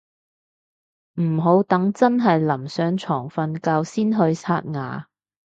唔好等真係臨上床瞓覺先去刷牙